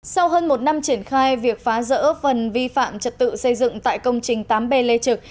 sau hơn một năm triển khai việc phá rỡ phần vi phạm trật tự xây dựng tại công trình tám b lê trực